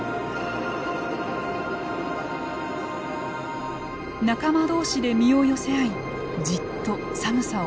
仲間同士で身を寄せ合いじっと寒さを耐え忍びます。